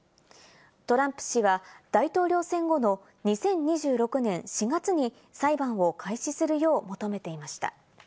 トランプ氏は大統領選後の２０２６年４月に裁判を開始するよう求めていました。